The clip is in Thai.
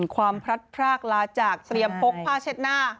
พลัดพรากลาจากเตรียมพกผ้าเช็ดหน้า